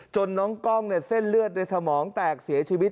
น้องกล้องเส้นเลือดในสมองแตกเสียชีวิต